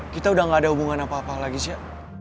kita udah gak ada hubungan apa apa lagi chea